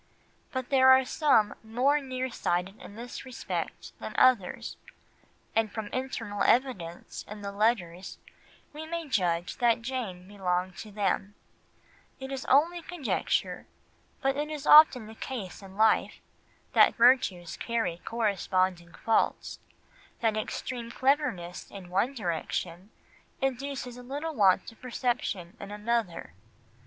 But there are some more near sighted in this respect than others, and from internal evidence in the letters we may judge that Jane belonged to them; it is only conjecture, but it is often the case in life, that virtues carry corresponding faults, that extreme cleverness in one direction induces a little want of perception in another.